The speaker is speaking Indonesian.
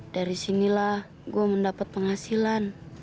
dari sinilah gue mendapat penghasilan